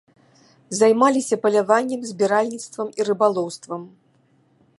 Займаліся паляваннем, збіральніцтвам і рыбалоўствам.